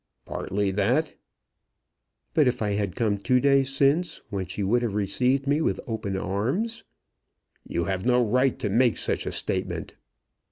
"Partly that." "But if I had come two days since, when she would have received me with open arms " "You have no right to make such a statement."